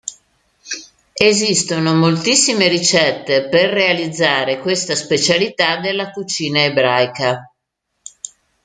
Esistono moltissime ricette per realizzare questa specialità della cucina ebraica.